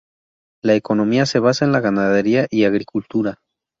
La economía se basa en la ganadería y agricultura.